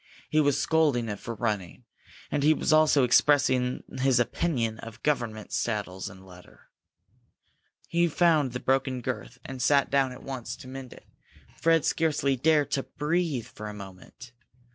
He was scolding it for running, and he was also expressing his opinion of government saddles and leather. He found the broken girth, and sat down at once to mend it. Fred scarcely dared to breathe for a moment.